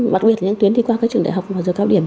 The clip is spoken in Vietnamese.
bặc biệt những tuyến đi qua trường đại học và giờ cao điểm